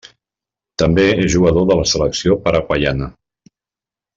També és jugador de la selecció paraguaiana.